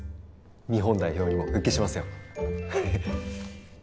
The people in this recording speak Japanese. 日本代表にも復帰しますよ